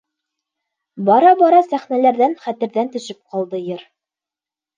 Бара-бара сәхнәләрҙән, хәтерҙән төшөп ҡалды йыр.